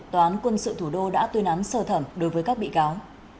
tòa án quân sự thủ đô đã tuyên án sơ thẩm đối với các bị cáo